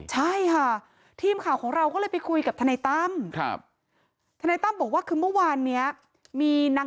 ใช่ค่ะทีมข่าวของเราก็เลยไปคุยกับฐตั้ม